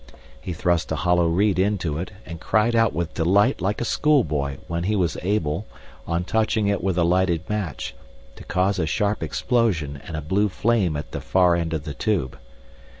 He thrust a hollow reed into it and cried out with delight like a schoolboy then he was able, on touching it with a lighted match, to cause a sharp explosion and a blue flame at the far end of the tube.